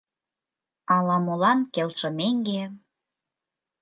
Ала-молан келшымеҥге